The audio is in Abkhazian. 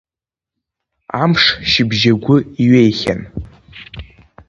Амш шьыбжьагәы иҩеихьан.